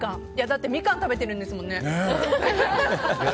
だってミカン食べてるんですもんね。